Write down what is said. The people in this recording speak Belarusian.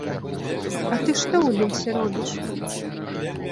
А ты што ў лесе робіш?